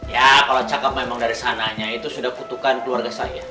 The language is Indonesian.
ya kalau cakep memang dari sananya itu sudah kutukan keluarga saya